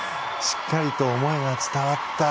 しっかりと思いが伝わった。